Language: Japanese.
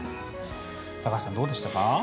高橋さん、どうでしたか？